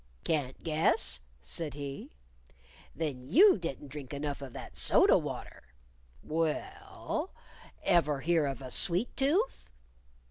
"Can't guess?" said he. "Then you didn't drink enough of that soda water. Well, ever hear of a sweet tooth?"